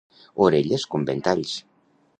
Orelles com ventalls.